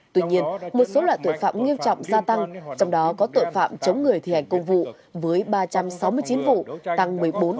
tuy nhiên một số loại tội phạm nghiêm trọng gia tăng trong đó có tội phạm chống người thi hành công vụ với ba trăm sáu mươi chín vụ tăng một mươi bốn